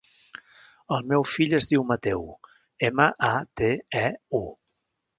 El meu fill es diu Mateu: ema, a, te, e, u.